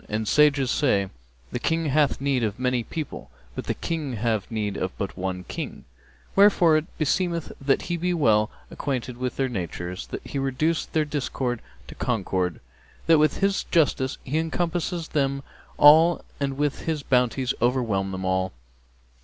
And sages say, 'The King hath need of many people, but the people have need of but one King' wherefore it beseemeth that he be well acquainted with their natures, that he reduce their discord to concord, that with his justice be encompass them all and with his bounties overwhelm them all.